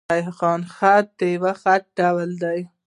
ریحان خط؛ د خط يو ډول دﺉ.